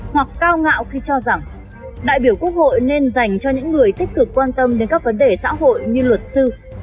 hoặc cao ngạo khi cho rằng đại biểu quốc hội nên dành cho những người tích cực quan tâm đến các vấn đề xã hội như luật sư